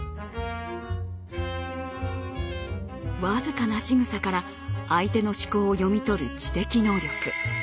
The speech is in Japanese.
僅かなしぐさから相手の思考を読み取る知的能力。